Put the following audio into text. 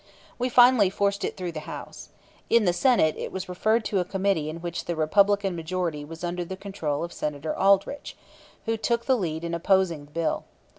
We finally forced it through the House. In the Senate it was referred to a committee in which the Republican majority was under the control of Senator Aldrich, who took the lead in opposing the bill.